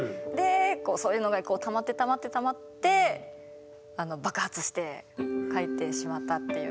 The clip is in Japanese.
そういうのがたまってたまってたまって爆発して書いてしまったっていうところ。